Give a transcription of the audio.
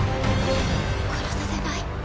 殺させない。